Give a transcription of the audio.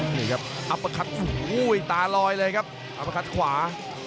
นี่ครับอัปเภิคอู๊ยตาลอยเลยครับอัปเภิคขวา